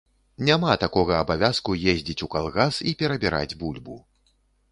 Няма такога абавязку ездзіць ў калгас і перабіраць бульбу.